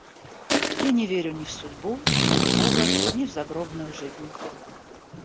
Я не верю ни в судьбу, ни в бога, ни в загробную жизнь.